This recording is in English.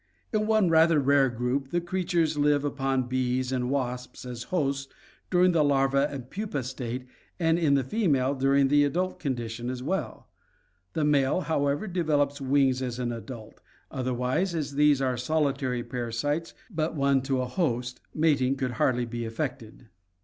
In one rather rare group (Strepsiptera), the creatures live upon bees and wasps as hosts during the larva and pupa state and in the female during the adult condition as well. The male, however, develops wings as an adult, otherwise, as these are solitary parasites, but one to a host, mating could hardly be effected.